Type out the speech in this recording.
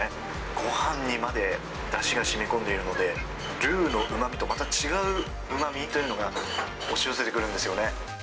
ごはんにまでだしがしみこんでいるので、ルーのうまみとまた違ううまみというのが押し寄せてくるんですよね。